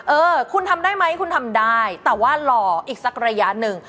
เออคุณทำได้ไหมคุณทำได้แต่ว่ารออีกสักระยะหนึ่ง